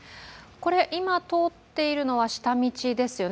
これ、今、通っているのは下道ですよね。